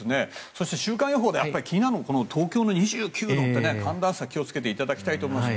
そして、週間予報で気になるのが東京の２９度って寒暖差気をつけていただきたいと思います。